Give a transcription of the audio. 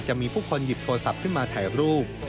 จะมีผู้คนหยิบโทรศัพท์ขึ้นมาถ่ายรูป